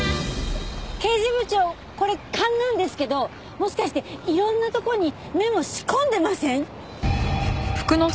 刑事部長これ勘なんですけどもしかしていろんなとこにメモ仕込んでません？